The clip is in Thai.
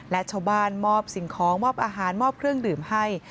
และชาวบ้านมอบสิ่งของมอบอาหารมอบเครื่องดื่มให้